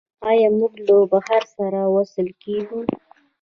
آیا موږ له بحر سره وصل کیږو؟